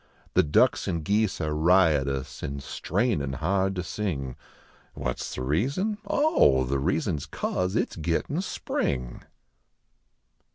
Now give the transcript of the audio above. The ducks and geese are riotous, an strainin hard to sing. What s the reason ? Oh, the reason s cause it s gittin spring.